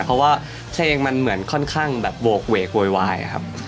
เพราะว่าเพลงมันเหมือนค่อนข้างแบบโบกเวกโวยวายครับ